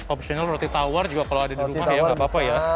optional roti tawar juga kalau ada di rumah ya nggak apa apa ya